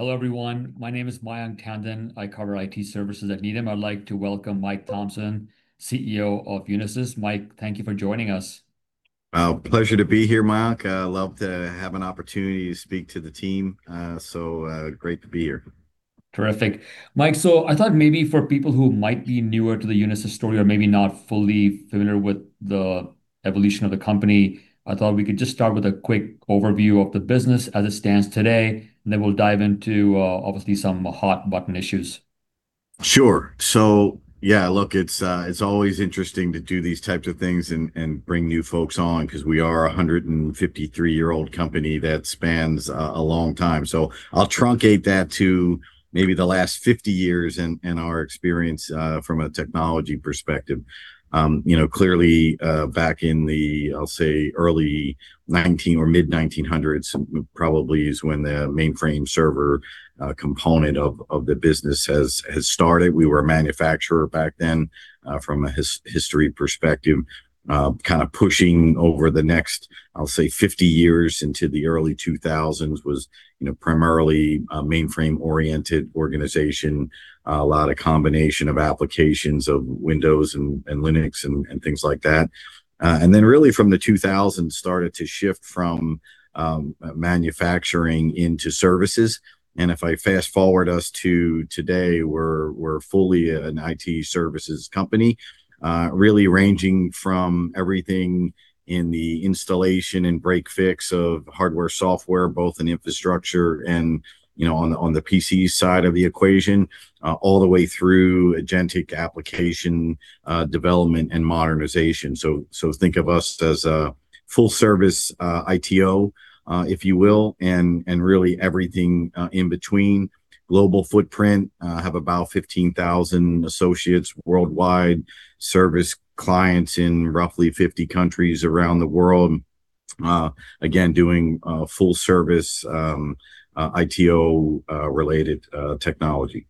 Hello, everyone. My name is Mayank Tandon. I cover IT services at Needham. I'd like to welcome Mike Thomson, CEO of Unisys. Mike, thank you for joining us. Oh, pleasure to be here, Mayank. I love to have an opportunity to speak to the team. It's great to be here. Terrific. Mike, I thought maybe for people who might be newer to the Unisys story or maybe not fully familiar with the evolution of the company, I thought we could just start with a quick overview of the business as it stands today, and then we'll dive into, obviously some hot button issues. Sure. Yeah, look, it's always interesting to do these types of things and bring new folks on, cause we are 153-year-old company that spans a long time. I'll truncate that to maybe the last 50 years and our experience from a technology perspective. You know, clearly, back in the, I'll say early 1900 or mid-1900s, probably is when the mainframe server component of the business has started. We were a manufacturer back then, from a history perspective. Kind of pushing over the next, I'll say 50 years into the early 2000s was, you know, primarily a mainframe-oriented organization, a lot of combination of applications of Windows and Linux and things like that. Really from the 2000 started to shift from manufacturing into services. If I fast-forward us to today, we're fully an IT services company, really ranging from everything in the installation and break-fix of hardware, software, both in infrastructure and, you know, on the PC side of the equation, all the way through agentic application development and modernization. Think of us as a full-service ITO, if you will, and really everything in between. Global footprint have about 15,000 associates worldwide, service clients in roughly 50 countries around the world, again, doing full-service ITO-related technology.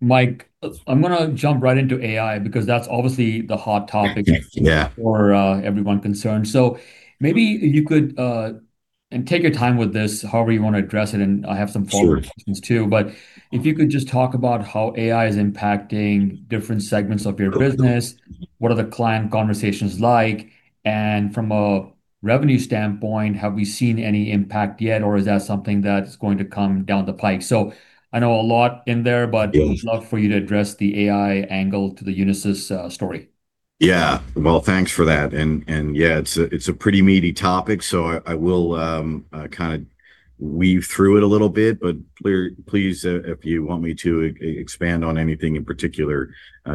Mike, I'm going to jump right into AI because that's obviously the hot topic- Yeah -for everyone concerned. Maybe you could and take your time with this, however you want to address it, and I have some follow-up and- Sure -questions too. If you could just talk about how AI is impacting different segments of your business, what are the client conversations like, and from a revenue standpoint, have we seen any impact yet or is that something that's going to come down the pike? I know a lot in there. Yes I'd love for you to address the AI angle to the Unisys story. Yeah. Well, thanks for that. Yeah, it's a pretty meaty topic, so I will kind of weave through it a little bit. Please, if you want me to expand on anything in particular,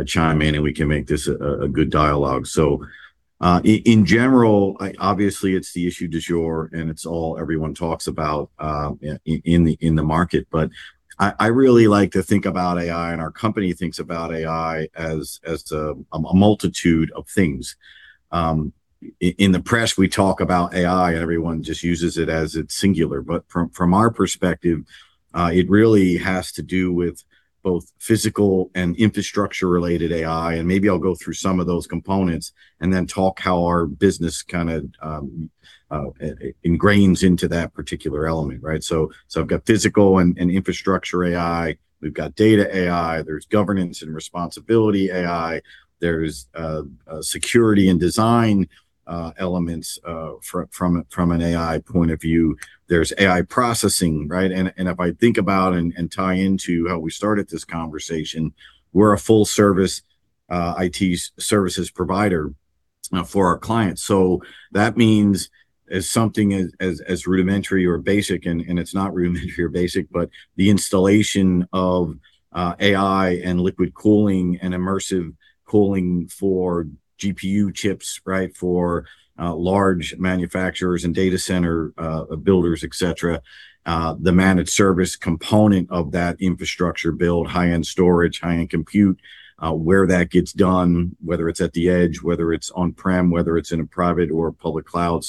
chime in and we can make this a good dialogue. In general, obviously, it's the issue du jour, and it's all everyone talks about in the market. I really like to think about AI, and our company thinks about AI as a multitude of things. In the press we talk about AI and everyone just uses it as it's singular. From our perspective, it really has to do with both physical and infrastructure-related AI, and maybe I'll go through some of those components and then talk how our business kind of ingrains into that particular element, right? I've got physical and infrastructure AI. We've got data AI. There's governance and responsibility AI. There's security and design elements from an AI point of view. There's AI processing, right? If I think about and tie into how we started this conversation, we're a full-service IT services provider for our clients. That means as something as rudimentary or basic, and it's not rudimentary or basic, but the installation of AI and liquid cooling and immersion cooling for GPU chips, right, for large manufacturers and data center builders, et cetera. The managed service component of that infrastructure build, high-end storage, high-end compute, where that gets done, whether it's at the edge, whether it's on-prem, whether it's in a private or a public cloud.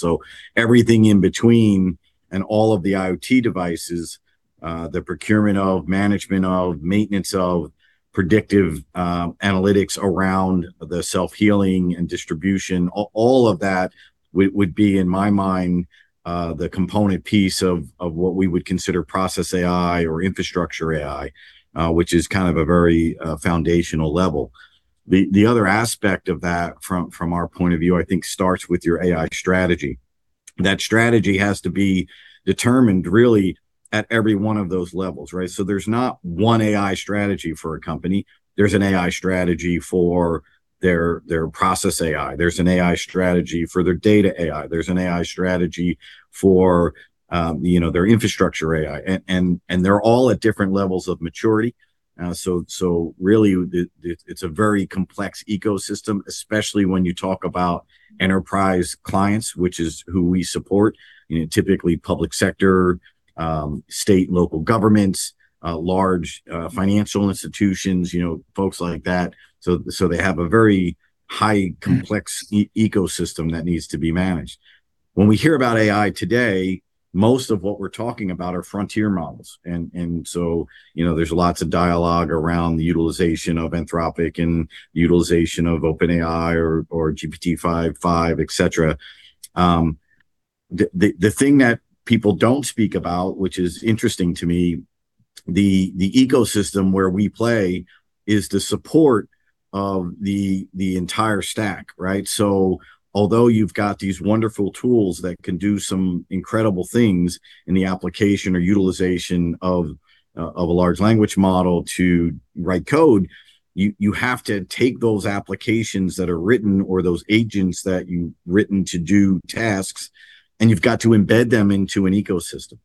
Everything in between and all of the IoT devices, the procurement of, management of, maintenance of, predictive analytics around the self-healing and distribution, all of that would be in my mind, the component piece of what we would consider process AI or infrastructure AI, which is kind of a very foundational level. The other aspect of that from our point of view, I think starts with your AI strategy. That strategy has to be determined really at every one of those levels, right? There's not one AI strategy for a company. There's an AI strategy for their process AI. There's an AI strategy for their data AI. There's an AI strategy for, you know, their infrastructure AI. They're all at different levels of maturity. Really, it's a very complex ecosystem, especially when you talk about enterprise clients, which is who we support, you know, typically public sector, state and local governments, large financial institutions, you know, folks like that. They have a very high complex ecosystem that needs to be managed. When we hear about AI today, most of what we're talking about are frontier models. you know, there's lots of dialogue around the utilization of Anthropic and utilization of OpenAI or GPT-5, et cetera. The thing that people don't speak about, which is interesting to me. The ecosystem where we play is to support the entire stack, right? Although you've got these wonderful tools that can do some incredible things in the application or utilization of a large language model to write code, you have to take those applications that are written or those agents that you've written to do tasks, and you've got to embed them into an ecosystem.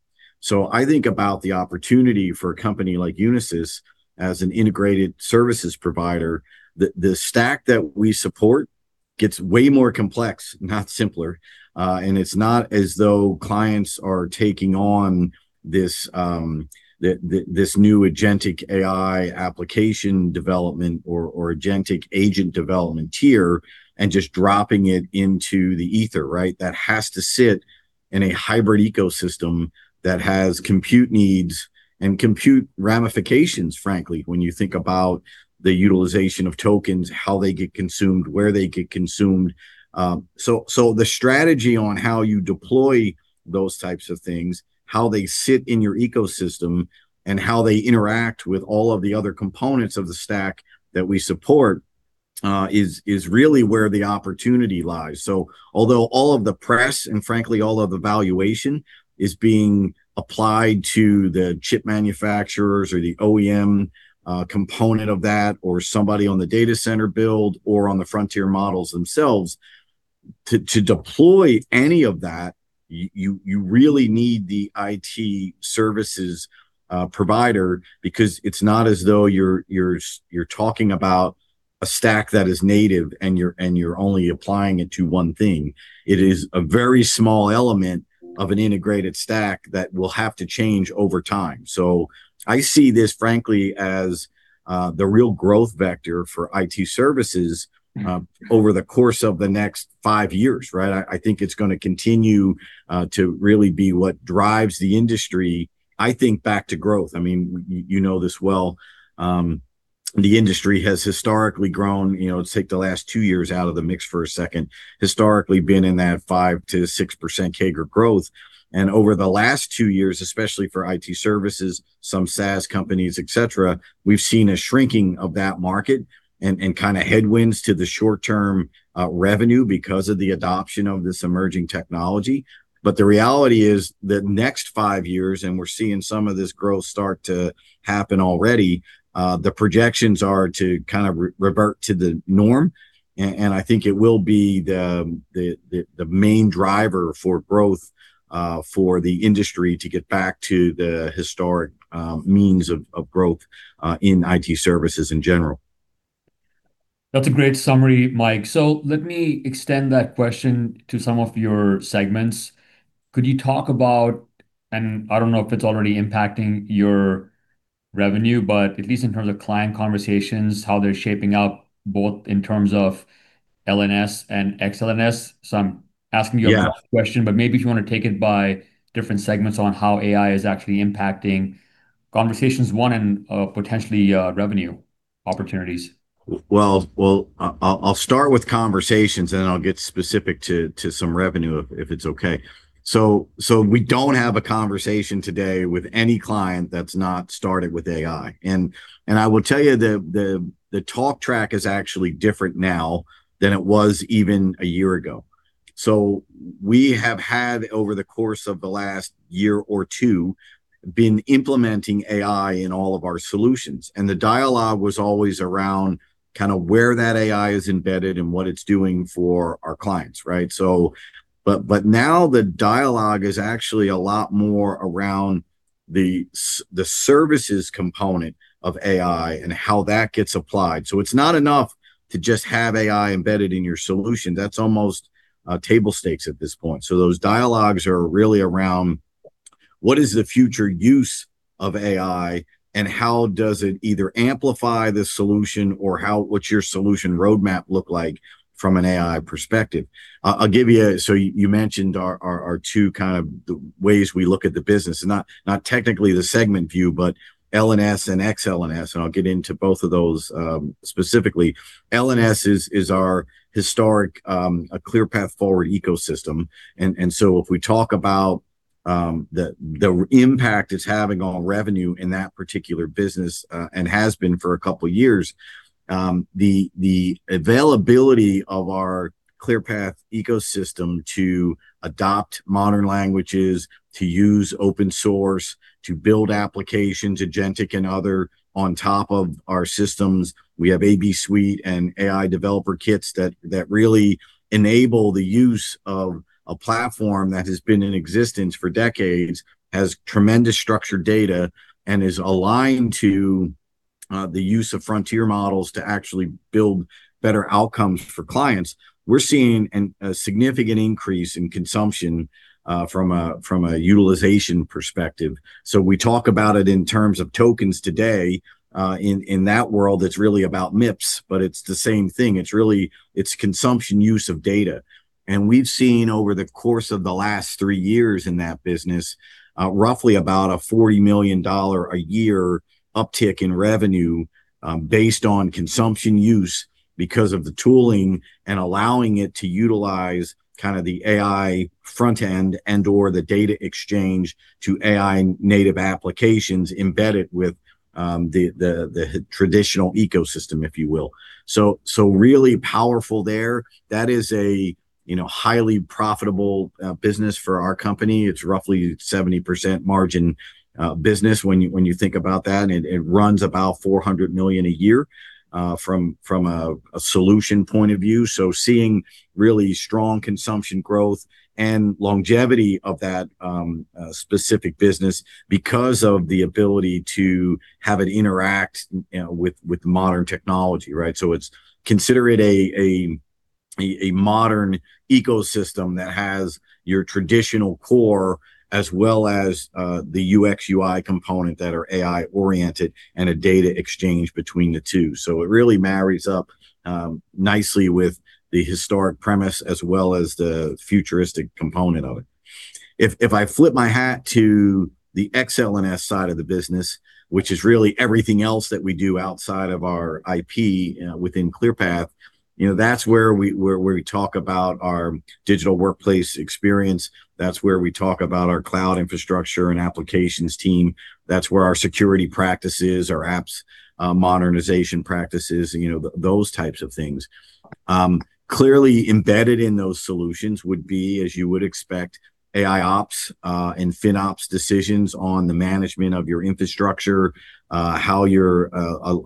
I think about the opportunity for a company like Unisys as an integrated services provider, the stack that we support gets way more complex, not simpler. It's not as though clients are taking on this new agentic AI application development or agentic agent development tier and just dropping it into the ether, right? That has to sit in a hybrid ecosystem that has compute needs and compute ramifications, frankly, when you think about the utilization of tokens, how they get consumed, where they get consumed. The strategy on how you deploy those types of things, how they sit in your ecosystem, and how they interact with all of the other components of the stack that we support, is really where the opportunity lies. Although all of the press and frankly all of the valuation is being applied to the chip manufacturers or the OEM component of that or somebody on the data center build or on the frontier models themselves, to deploy any of that, you really need the IT services provider because it's not as though you're talking about a stack that is native and you're and you're only applying it to one thing. It is a very small element of an integrated stack that will have to change over time. I see this frankly as the real growth vector for IT services. over the course of the next five years, right? I think it's going to continue to really be what drives the industry, I think, back to growth. I mean, you know this well. The industry has historically grown, you know, take the last two years out of the mix for a second, historically been in that 5%-6% CAGR growth. Over the last two years, especially for IT services, some SaaS companies, et cetera, we've seen a shrinking of that market and kinda headwinds to the short-term revenue because of the adoption of this emerging technology. The reality is the next five years, and we're seeing some of this growth start to happen already, the projections are to kind of revert to the norm. I think it will be the main driver for growth for the industry to get back to the historic means of growth in IT services in general. That's a great summary, Mike. Let me extend that question to some of your segments. Could you talk about, and I don't know if it's already impacting your revenue, but at least in terms of client conversations, how they're shaping up both in terms of L&S and Ex-L&S. I'm asking you- Yeah. -a broad question, but maybe if you want to take it by different segments on how AI is actually impacting conversations one, and potentially, revenue opportunities. Well, I'll start with conversations, and then I'll get specific to some revenue if it's okay. We don't have a conversation today with any client that's not started with AI. I will tell you the talk track is actually different now than it was even a year ago. We have had, over the course of the last year or two, been implementing AI in all of our solutions, and the dialogue was always around kind of where that AI is embedded and what it's doing for our clients, right? Now the dialogue is actually a lot more around the services component of AI and how that gets applied. It's not enough to just have AI embedded in your solution. That's almost table stakes at this point. Those dialogues are really around what is the future use of AI and how does it either amplify the solution or how, what's your solution roadmap look like from an AI perspective? You mentioned our two kind of the ways we look at the business, and not technically the segment view, but L&S and Ex-L&S, and I'll get into both of those specifically. L&S is our historic, a ClearPath Forward ecosystem. If we talk about the impact it's having on revenue in that particular business, and has been for a couple years, the availability of our ClearPath ecosystem to adopt modern languages, to use open source, to build applications, agentic and other, on top of our systems. We have AB Suite and AI developer kits that really enable the use of a platform that has been in existence for decades, has tremendous structured data, and is aligned to the use of frontier models to actually build better outcomes for clients. We're seeing a significant increase in consumption from a utilization perspective. We talk about it in terms of tokens today. In that world it's really about MIPS, but it's the same thing. It's consumption use of data. We've seen over the course of the last three years in that business, roughly about a $40 million a year uptick in revenue, based on consumption use because of the tooling and allowing it to utilize kind of the AI front end and/or the data exchange to AI native applications embedded with the traditional ecosystem, if you will. Really powerful there. That is a, you know, highly profitable business for our company. It's roughly 70% margin business when you think about that, and it runs about $400 million a year from a solution point of view. Seeing really strong consumption growth and longevity of that specific business because of the ability to have it interact, you know, with modern technology, right? Consider it a modern ecosystem that has your traditional core, as well as the UX/UI component that are AI oriented, and a data exchange between the two. It really marries up nicely with the historic premise as well as the futuristic component of it. If I flip my hat to the Ex-L&S side of the business, which is really everything else that we do outside of our IP within ClearPath, you know, that's where we talk about our digital workplace experience. That's where we talk about our cloud infrastructure and applications team. That's where our security practices, our apps modernization practices, you know, those types of things. Clearly embedded in those solutions would be, as you would expect, AIOps and FinOps decisions on the management of your infrastructure, how you're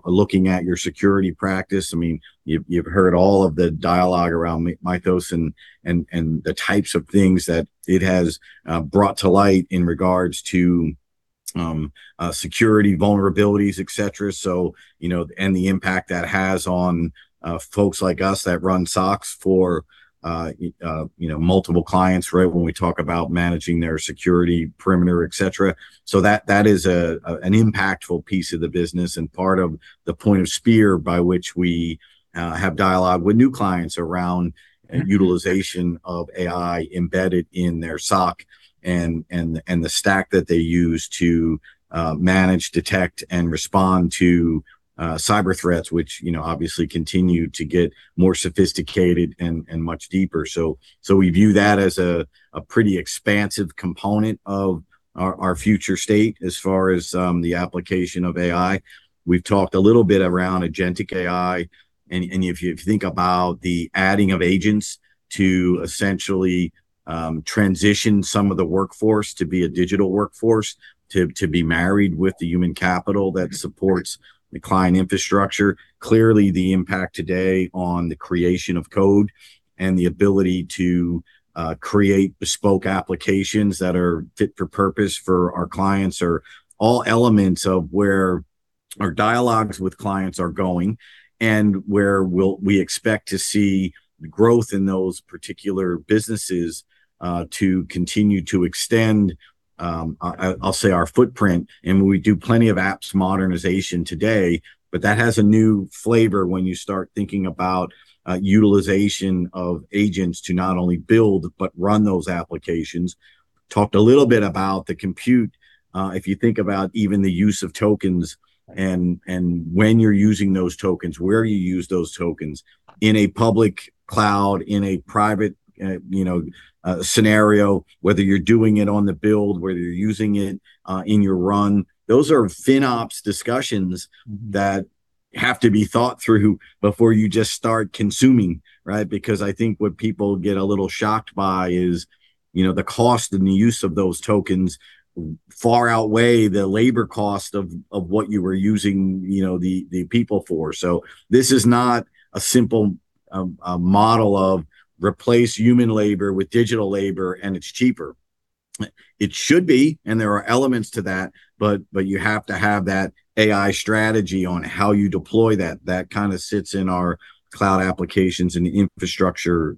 looking at your security practice. I mean, you've heard all of the dialogue around Mythos and the types of things that it has brought to light in regard to security vulnerabilities, et cetera. You know, and the impact that has on folks like us that run SOCs for, you know, multiple clients, right, when we talk about managing their security perimeter, et cetera. That is an impactful piece of the business and part of the point of spear by which we have dialogue with new clients around utilization of AI embedded in their SOC and the stack that they use to manage, detect, and respond to cyber threats, which, you know, obviously continue to get more sophisticated and much deeper. We view that as a pretty expansive component of our future state as far as the application of AI. We've talked a little bit around agentic AI, and if you think about the adding of agents to essentially transition some of the workforce to be a digital workforce, to be married with the human capital that supports the client infrastructure. Clearly, the impact today on the creation of code and the ability to create bespoke applications that are fit for purpose for our clients are all elements of where our dialogues with clients are going, and where we expect to see the growth in those particular businesses to continue to extend, I'll say our footprint. We do plenty of apps modernization today, but that has a new flavor when you start thinking about utilization of agents to not only build but run those applications. Talked a little bit about the compute. If you think about even the use of tokens and when you're using those tokens, where you use those tokens, in a public cloud, in a private, you know, scenario, whether you're doing it on the build, whether you're using it in your run. Those are FinOps discussions that have to be thought through before you just start consuming, right? Because I think what people get a little shocked by is, you know, the cost and the use of those tokens far outweigh the labor cost of what you were using the people for. This is not a simple model of replace human labor with digital labor and it's cheaper. It should be, and there are elements to that, but you have to have that AI strategy on how you deploy that. That kind of sits in our cloud applications and infrastructure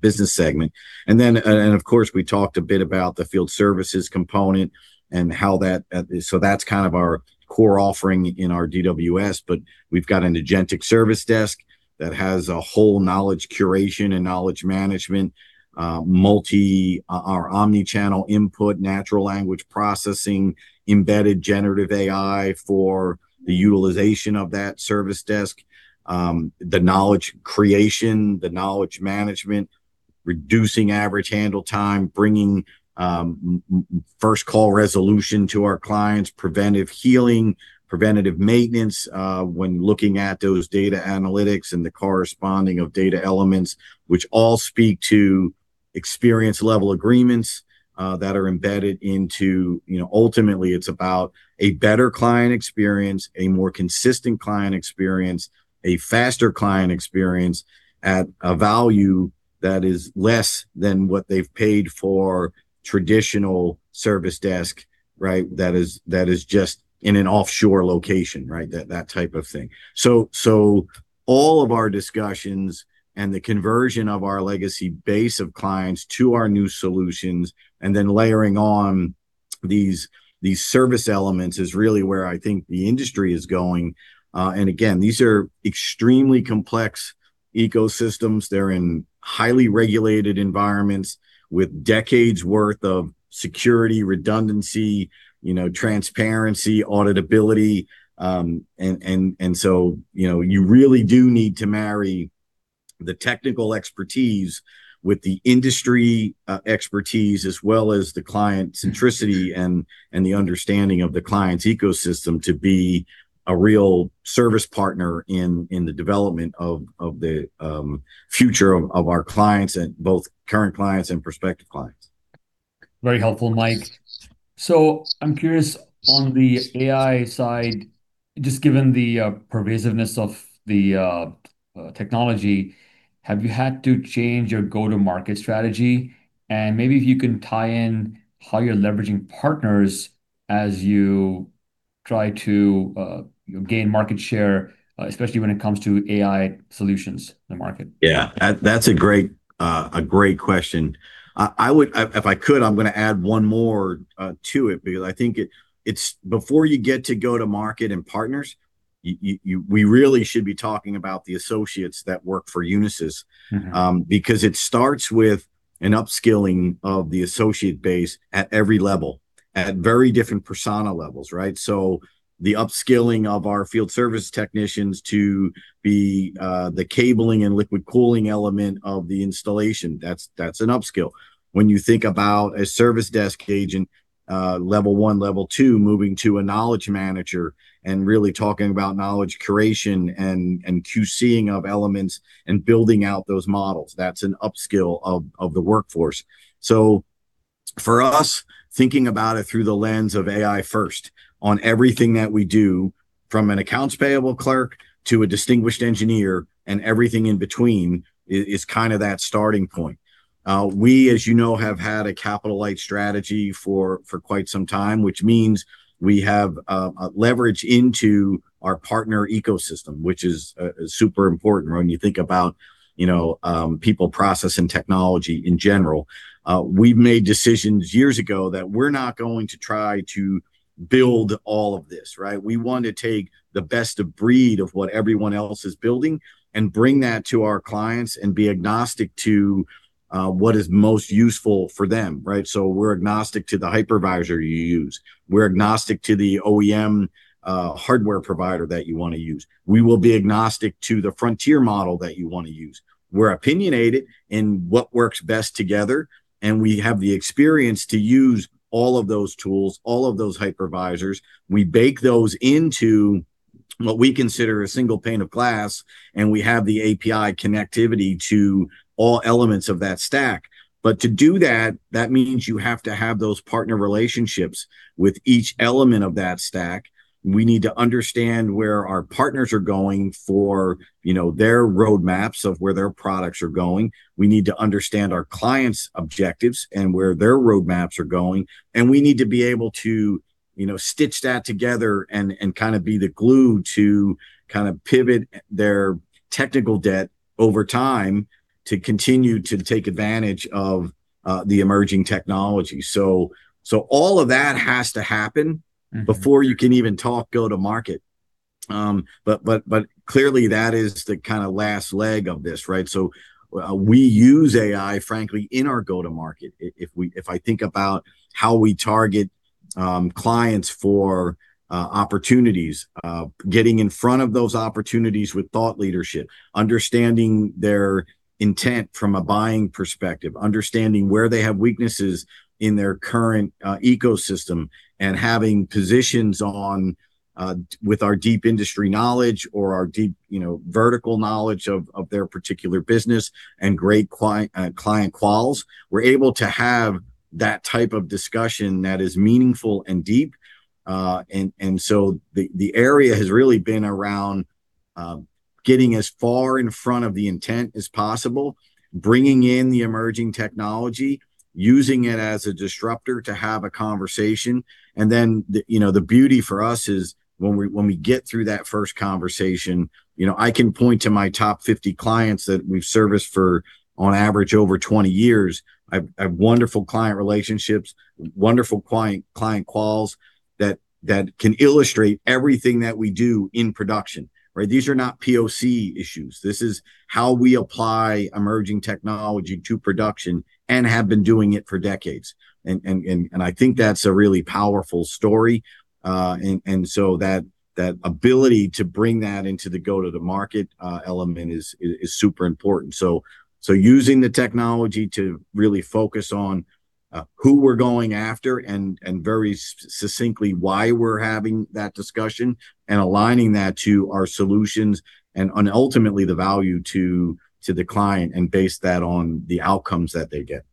business segment. Of course we talked a bit about the field services component. That's kind of our core offering in our DWS, but we've got an agentic service desk that has a whole knowledge curation and knowledge management, multi or omni-channel input, natural language processing, embedded generative AI for the utilization of that service desk. The knowledge creation, the knowledge management, reducing average handle time, bringing first call resolution to our clients, preventive healing, preventative maintenance, when looking at those data analytics and the corresponding of data elements, which all speak to experience level agreements that are embedded into. You know, ultimately it's about a better client experience, a more consistent client experience, a faster client experience at a value that is less than what they've paid for traditional service desk. Right. That is just in an offshore location, right? That type of thing. All of our discussions and the conversion of our legacy base of clients to our new solutions, and then layering on these service elements, is really where I think the industry is going. Again, these are extremely complex ecosystems. They're in highly regulated environments with decades worth of security redundancy, you know, transparency, auditability. You know, you really do need to marry the technical expertise with the industry expertise, as well as the client centricity and the understanding of the client's ecosystem to be a real service partner in the development of the future of our clients, and both current clients and prospective clients. Very helpful, Mike. I'm curious, on the AI side, just given the pervasiveness of the technology, have you had to change your go-to-market strategy? Maybe if you can tie in how you're leveraging partners as you try to, you know, gain market share, especially when it comes to AI solutions in the market. Yeah. That's a great question. I would, if I could, I'm going to add one more to it because I think it's before you get to go to market and partners, we really should be talking about the associates that work for Unisys. Because it starts with an upskilling of the associate base at every level, at very different persona levels, right? The upskilling of our field service technicians to be the cabling and liquid cooling element of the installation, that's an upskill. When you think about a service desk agent, level 1, level 2, moving to a knowledge manager and really talking about knowledge curation and QC-ing of elements and building out those models, that's an upskill of the workforce. For us, thinking about it through the lens of AI first on everything that we do, from an accounts payable clerk to a distinguished engineer, and everything in between, is kind of that starting point. We, as you know, have had a capital light strategy for quite some time, which means we have a leverage into our partner ecosystem, which is super important when you think about, you know, people, process, and technology in general. We've made decisions years ago that we're not going to try to build all of this, right? We want to take the best of breed of what everyone else is building and bring that to our clients and be agnostic to what is most useful for them, right? We're agnostic to the hypervisor you use. We're agnostic to the OEM hardware provider that you want to use. We will be agnostic to the frontier model that you want to use. We're opinionated in what works best together, and we have the experience to use all of those tools, all of those hypervisors. We bake those into what we consider a single pane of glass, and we have the API connectivity to all elements of that stack. To do that means you have to have those partner relationships with each element of that stack. We need to understand where our partners are going for, you know, their roadmaps of where their products are going. We need to understand our clients' objectives and where their roadmaps are going, and we need to be able to, you know, stitch that together and kind of be the glue to kind of pivot their technical debt over time to continue to take advantage of the emerging technology. All of that has to happen before you can even talk go to market. Clearly that is the kind of last leg of this, right. We use AI, frankly, in our go to market. If I think about how we target clients for opportunities, getting in front of those opportunities with thought leadership, understanding their intent from a buying perspective, understanding where they have weaknesses in their current ecosystem, and having positions on with our deep industry knowledge or our deep, you know, vertical knowledge of their particular business and great client quals, we're able to have that type of discussion that is meaningful and deep. The area has really been around getting as far in front of the intent as possible, bringing in the emerging technology, using it as a disruptor to have a conversation. The, you know, the beauty for us is when we get through that first conversation, you know, I can point to my top 50 clients that we've serviced for on average over 20 years. I have wonderful client relationships, wonderful client quals that can illustrate everything that we do in production, right? These are not POC issues. This is how we apply emerging technology to production and have been doing it for decades. I think that's a really powerful story. That ability to bring that into the go to the market element is super important. Using the technology to really focus on who we're going after and very succinctly why we're having that discussion and aligning that to our solutions and ultimately the value to the client and base that on the outcomes that they get.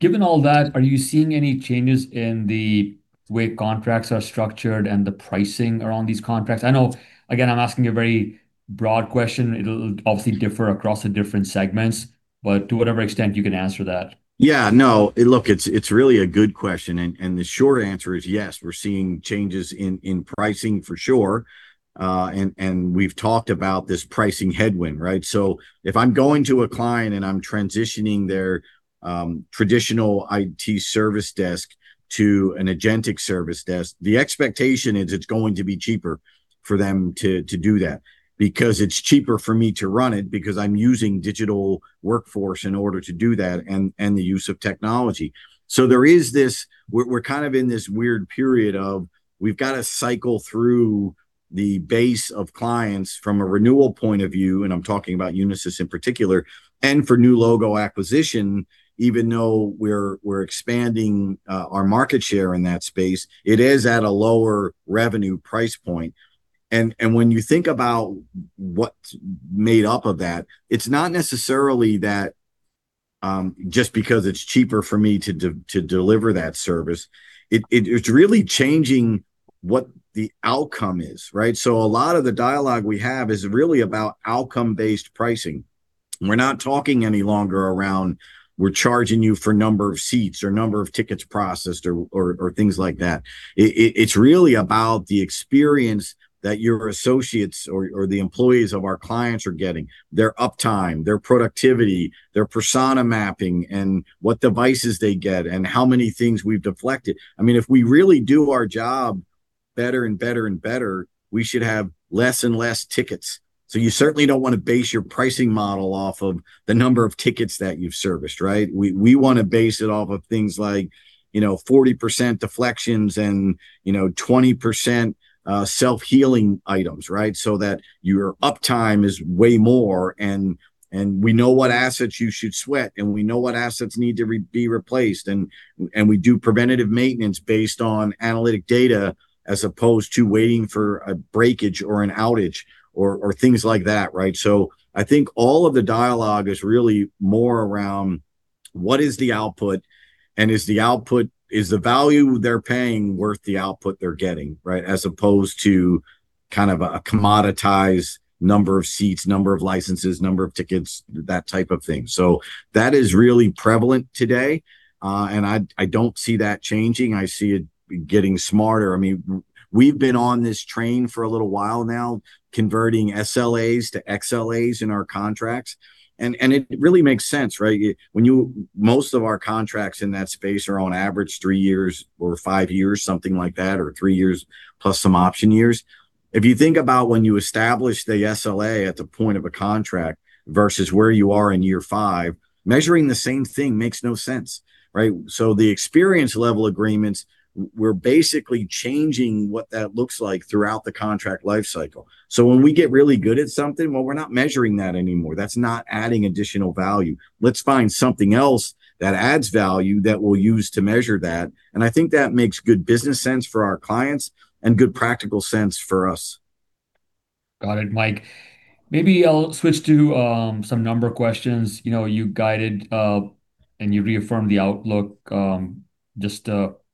Given all that, are you seeing any changes in the way contracts are structured and the pricing around these contracts? I know, again, I'm asking a very broad question. It'll obviously differ across the different segments. To whatever extent you can answer that. Yeah, no. Look, it's really a good question, and the short answer is yes, we're seeing changes in pricing for sure. We've talked about this pricing headwind, right? If I'm going to a client and I'm transitioning their traditional IT service desk to an agentic service desk, the expectation is it's going to be cheaper for them to do that because it's cheaper for me to run it because I'm using digital workforce in order to do that, and the use of technology. There is this we're kind of in this weird period of we've got to cycle through the base of clients from a renewal point of view, and I'm talking about Unisys in particular, and for new logo acquisition. Even though we're expanding our market share in that space, it is at a lower revenue price point. When you think about what's made up of that, it's not necessarily that just because it's cheaper for me to deliver that service. It's really changing what the outcome is, right? A lot of the dialogue we have is really about outcome-based pricing. We're not talking any longer around we're charging you for number of seats or number of tickets processed or things like that. It's really about the experience that your associates or the employees of our clients are getting. Their uptime, their productivity, their persona mapping, and what devices they get, and how many things we've deflected. I mean, if we really do our job better and better and better, we should have less and less tickets. You certainly don't want to base your pricing model off of the number of tickets that you've serviced, right? We want to base it off of things like, you know, 40% deflections and, you know, 20% self-healing items, right? That your uptime is way more and we know what assets you should sweat, and we know what assets need to be replaced, and we do preventative maintenance based on analytic data as opposed to waiting for a breakage or an outage or things like that, right? I think all of the dialogue is really more around what is the output and is the value they're paying worth the output they're getting, right? As opposed to kind of a commoditized number of seats, number of licenses, number of tickets, that type of thing. That is really prevalent today, and I don't see that changing. I see it getting smarter. I mean, we've been on this train for a little while now, converting SLAs to XLAs in our contracts, and it really makes sense, right? Most of our contracts in that space are on average three years or five years, something like that, or three years plus some option years. If you think about when you establish the SLA at the point of a contract versus where you are in year five, measuring the same thing makes no sense, right? The experience level agreements, we're basically changing what that looks like throughout the contract life cycle. When we get really good at something, well, we're not measuring that anymore. That's not adding additional value. Let's find something else that adds value that we'll use to measure that, and I think that makes good business sense for our clients and good practical sense for us. Got it, Mike. Maybe I'll switch to some number questions. You know, you guided, and you reaffirmed the outlook, just,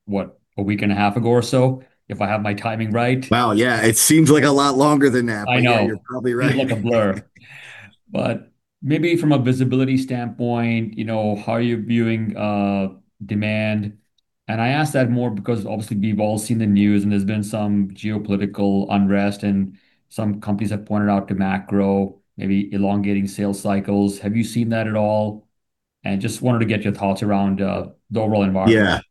what? A week and a half ago or so, if I have my timing right. Wow, yeah. It seems like a lot longer than that. I know. Yeah, you're probably right. It's like a blur. Maybe from a visibility standpoint, you know, how are you viewing demand? I ask that more because obviously we've all seen the news, and there's been some geopolitical unrest and some companies have pointed out to macro, maybe elongating sales cycles. Have you seen that at all? Just wanted to get your thoughts around the overall environment.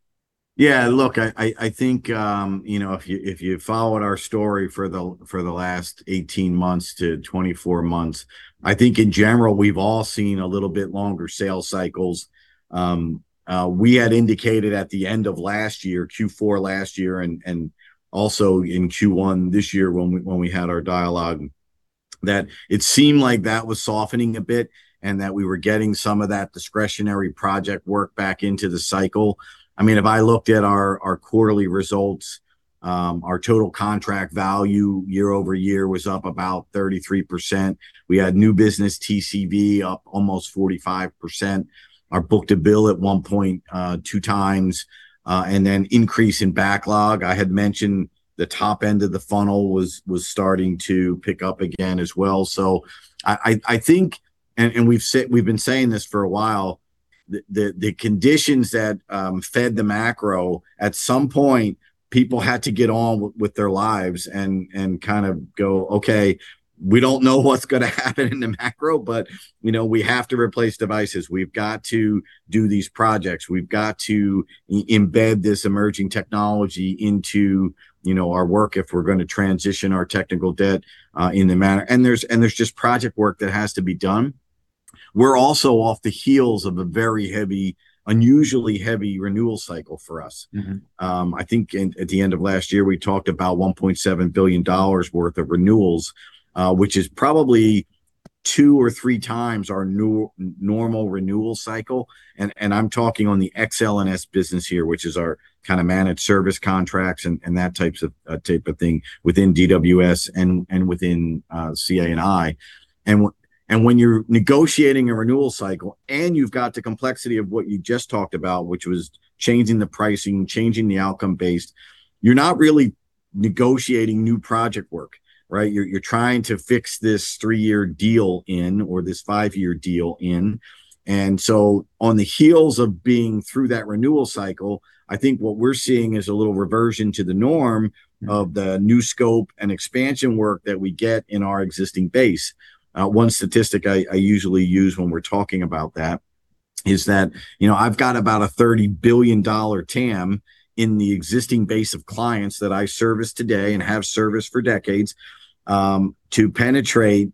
I think, you know, if you followed our story for the last 18 months to 24 months, I think in general we've all seen a little bit longer sales cycles. We had indicated at the end of last year, Q4 last year, and also in Q1 this year when we had our dialogue, that it seemed like that was softening a bit and that we were getting some of that discretionary project work back into the cycle. I mean, if I looked at our quarterly results, our total contract value year-over-year was up about 33%. We had new business TCV up almost 45%. Our book-to-bill at 1.2x increase in backlog. I had mentioned the top end of the funnel was starting to pick up again as well. I think, and we've been saying this for a while, the conditions that fed the macro, at some point, people had to get on with their lives and kind of go, "Okay, we don't know what's going to happen in the macro, but, you know, we have to replace devices. We've got to do these projects. We've got to embed this emerging technology into, you know, our work if we're going to transition our technical debt in the manner." There's just project work that has to be done. We're also off the heels of a very heavy, unusually heavy renewal cycle for us. I think in, at the end of last year, we talked about $1.7 billion worth of renewals, which is probably 2x or 3x our normal renewal cycle. I'm talking on the Ex-L&S business here, which is our kind of managed service contracts and that types of type of thing within DWS and within CA&I. When you're negotiating a renewal cycle, and you've got the complexity of what you just talked about, which was changing the pricing, changing the outcome based, you're not really negotiating new project work, right? You're trying to fix this three-year deal in or this five-year deal in. On the heels of being through that renewal cycle, I think what we're seeing is a little reversion to the norm of the new scope and expansion work that we get in our existing base. 1 statistic I usually use when we're talking about that is that, you know, I've got about a $30 billion TAM in the existing base of clients that I service today and have serviced for decades to penetrate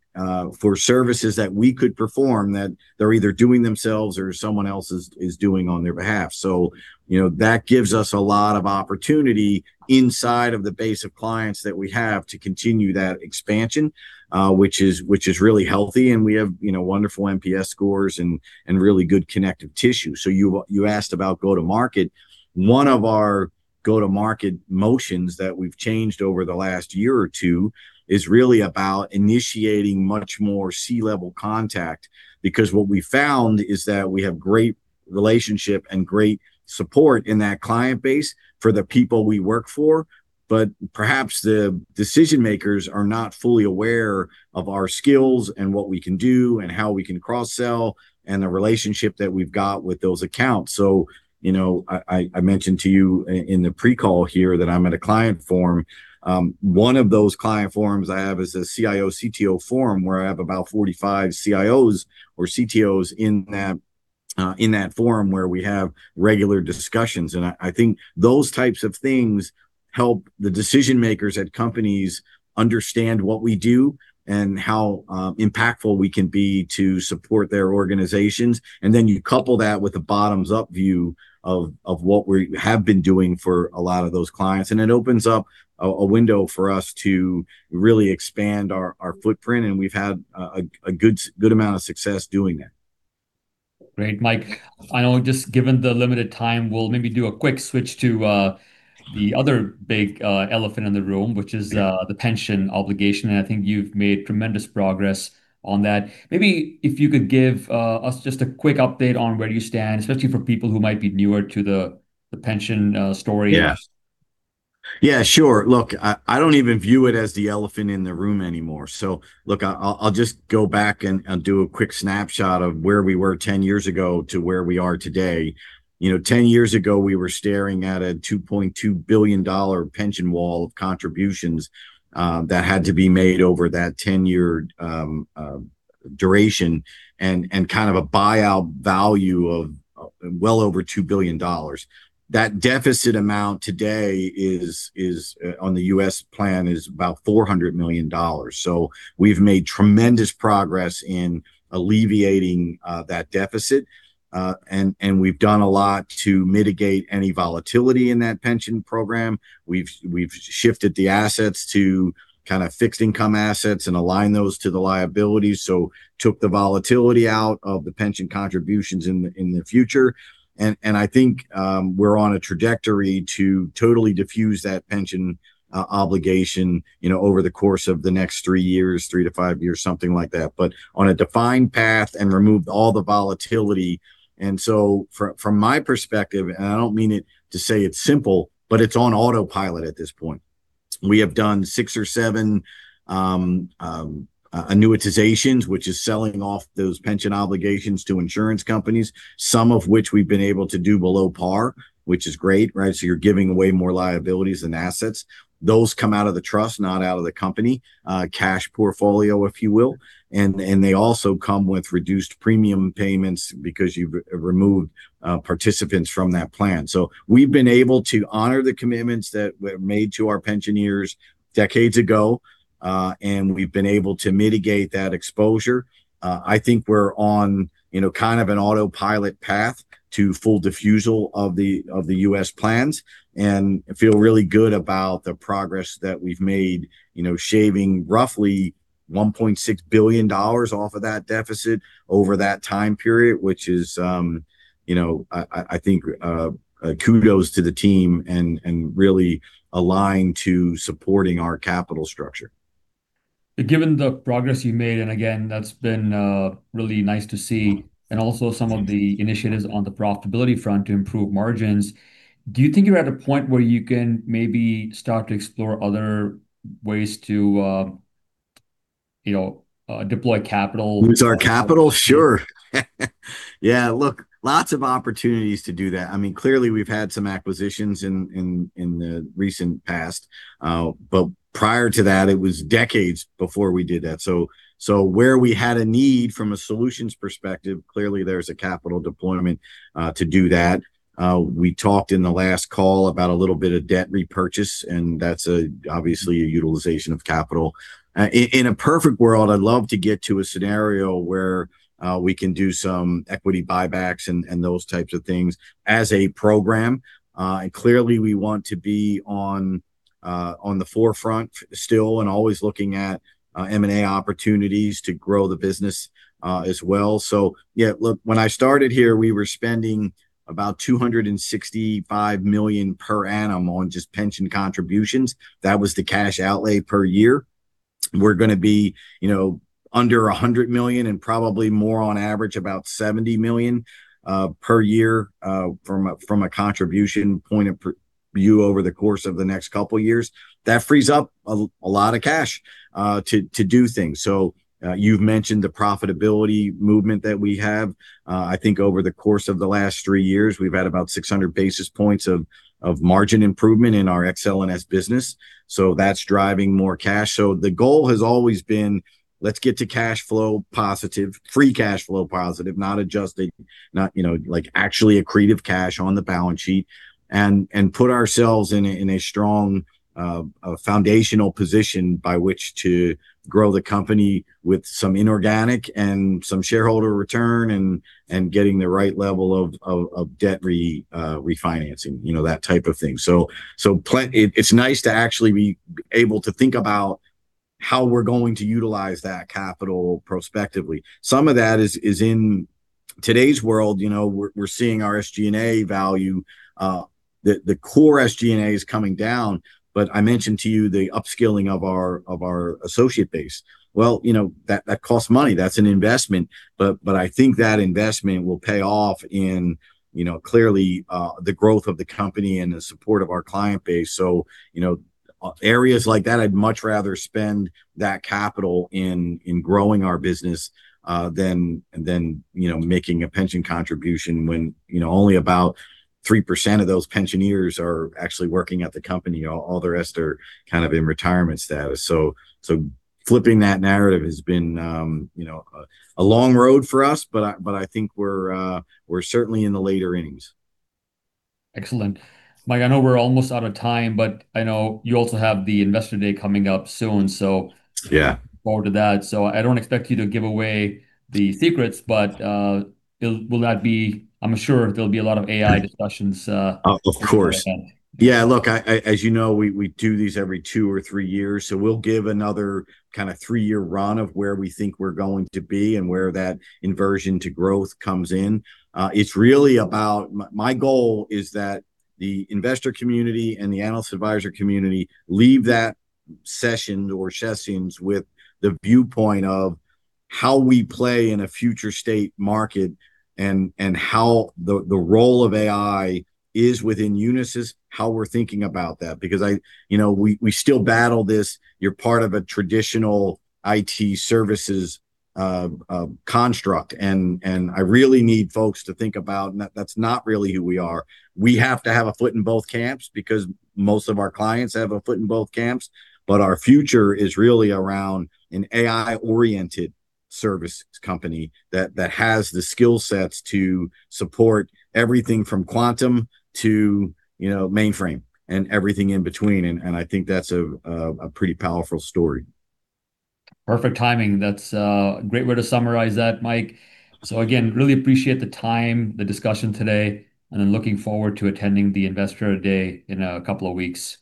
for services that we could perform that they're either doing themselves or someone else is doing on their behalf. You know, that gives us a lot of opportunity inside of the base of clients that we have to continue that expansion, which is really healthy, and we have, you know, wonderful NPS scores and really good connective tissue. You asked about go-to-market. One of our go-to-market motions that we've changed over the last year or two is really about initiating much more C-level contact because what we found is that we have great relationship and great support in that client base for the people we work for. Perhaps the decision-makers are not fully aware of our skills and what we can do and how we can cross-sell, and the relationship that we've got with those accounts. You know, I mentioned to you in the pre-call here that I'm at a client forum. One of those client forums I have is a CIO/CTO forum where I have about 45 CIOs or CTOs in that in that forum where we have regular discussions. I think those types of things help the decision-makers at companies understand what we do and how impactful we can be to support their organizations. Then you couple that with the bottoms-up view of what we have been doing for a lot of those clients, it opens up a window for us to really expand our footprint, we've had a good amount of success doing that. Great, Mike. I know, just given the limited time, we'll maybe do a quick switch to, the other big, elephant in the room. The pension obligation. I think you've made tremendous progress on that. Maybe if you could give us just a quick update on where you stand, especially for people who might be newer to the pension story. Yeah. Sure. Look, I don't even view it as the elephant in the room anymore. Look, I'll just go back and do a quick snapshot of where we were 10 years ago to where we are today. You know, 10 years ago, we were staring at a $2.2 billion pension wall of contributions that had to be made over that 10-year duration and kind of a buyout value of well over $2 billion. That deficit amount today is on the U.S. plan, is about $400 million. We've made tremendous progress in alleviating that deficit. And we've done a lot to mitigate any volatility in that pension program. We've shifted the assets to kind of fixed income assets and aligned those to the liabilities, took the volatility out of the pension contributions in the future. I think we're on a trajectory to totally diffuse that pension obligation, you know, over the course of the next three years, three to five years, something like that. On a defined path and removed all the volatility. From my perspective, and I don't mean it to say it's simple, but it's on autopilot at this point. We have done six or seven annuitizations, which is selling off those pension obligations to insurance companies, some of which we've been able to do below par, which is great, right? You're giving away more liabilities than assets. Those come out of the trust, not out of the company, cash portfolio, if you will. They also come with reduced premium payments because you've removed participants from that plan. We've been able to honor the commitments that were made to our pensioners decades ago, and we've been able to mitigate that exposure. I think we're on, you know, kind of an autopilot path to full diffusal of the U.S. plans and feel really good about the progress that we've made, you know, shaving roughly $1.6 billion off of that deficit over that time period, which is, you know, I, I think kudos to the team and really aligned to supporting our capital structure. Given the progress you made, and again, that's been really nice to see, and also some of the initiatives on the profitability front to improve margins, do you think you're at a point where you can maybe start to explore other ways to, you know, deploy capital? With our capital? Sure. Yeah, look, lots of opportunities to do that. I mean, clearly, we've had some acquisitions in the recent past. Prior to that, it was decades before we did that. Where we had a need from a solutions perspective, clearly, there's a capital deployment to do that. We talked in the last call about a little bit of debt repurchase, that's obviously a utilization of capital. In a perfect world, I'd love to get to a scenario where we can do some equity buybacks and those types of things as a program. Clearly, we want to be on the forefront still and always looking at M&A opportunities to grow the business as well. When I started here, we were spending about $265 million per annum on just pension contributions. That was the cash outlay per year. We're going to be, you know, under $100 million and probably more on average about $70 million per year from a contribution point of view over the course of the next couple years. That frees up a lot of cash to do things. You've mentioned the profitability movement that we have. I think over the course of the last three years we've had about 600 basis points of margin improvement in our Ex-L&S business, so that's driving more cash. The goal has always been, let's get to cash flow positive, free cash flow positive, not adjusted, not, you know, like actually accretive cash on the balance sheet, and put ourselves in a strong foundational position by which to grow the company with some inorganic and some shareholder return and, getting the right level of debt refinancing. You know, that type of thing. It's nice to actually be able to think about how we're going to utilize that capital prospectively. Some of that is in today's world, you know, we're seeing our SG&A value, the core SG&A is coming down, but I mentioned to you the upskilling of our associate base. Well, you know, that costs money. That's an investment, but I think that investment will pay off in, you know, clearly, the growth of the company and the support of our client base. Areas like that I'd much rather spend that capital in growing our business, than, you know, making a pension contribution when, you know, only about 3% of those pension years are actually working at the company. All the rest are kind of in retirement status. Flipping that narrative has been, you know, a long road for us, but I think we're certainly in the later innings. Excellent. Mike, I know we're almost out of time, but I know you also have the Investor Day coming up soon. Yeah look forward to that. I don't expect you to give away the secrets, but will that be? I'm sure there'll be a lot of AI discussions- Of course. -at that event. Look, I, as you know, we do these every two or three years, we'll give another kind of three-year run of where we think we're going to be and where that inversion to growth comes in. It's really about my goal is that the investor community and the analyst advisor community leave that session or sessions with the viewpoint of how we play in a future state market and how the role of AI is within Unisys, how we're thinking about that. I, you know, we still battle this, "You're part of a traditional IT services construct," and I really need folks to think about that's not really who we are. We have to have a foot in both camps because most of our clients have a foot in both camps. Our future is really around an AI-oriented services company that has the skillsets to support everything from quantum to, you know, mainframe, and everything in between, and I think that's a pretty powerful story. Perfect timing. That's a great way to summarize that, Mike. Again, really appreciate the time, the discussion today, and I'm looking forward to attending the Investor Day in a couple of weeks.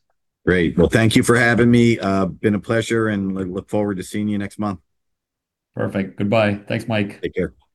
Great. Well, thank you for having me. Been a pleasure and look forward to seeing you next month. Perfect. Goodbye. Thanks, Mike. Take care. Bye.